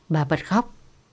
bà bật khóc